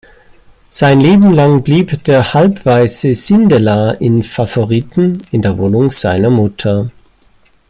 Sein Leben lang blieb der Halbwaise Sindelar in Favoriten, in der Wohnung seiner Mutter.